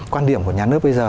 quan điểm của nhà nước bây giờ